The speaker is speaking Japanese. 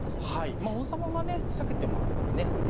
まあ王様がね避けてますからね